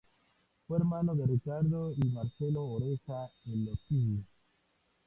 Fue hermano de Ricardo y Marcelino Oreja Elósegui.